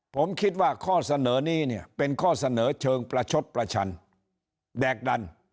ผมคิดว่าข้อเสนอนี่เป็นข้อเสนอเชิงแดกดัน